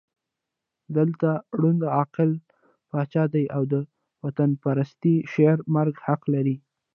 دلته ړوند عقل پاچا دی او د وطنپرستۍ شعر مرګ حق لري.